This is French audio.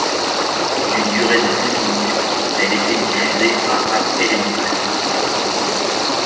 D'une durée de cinq minutes, elle était diffusée à après les nouvelles.